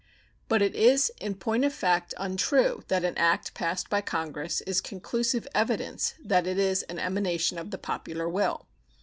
But it is, in point of fact, untrue that an act passed by Congress is conclusive evidence that it is an emanation of the popular will.